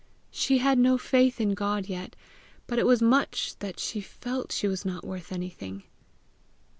She had no faith in God yet, but it was much that she felt she was not worth anything.